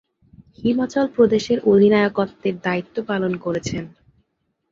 হিমাচল প্রদেশের অধিনায়কত্বের দায়িত্ব পালন করেছেন।